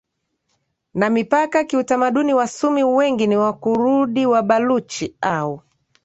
na mipaka kiutamaduni Wasunni wengi ni Wakurdi Wabaluchi au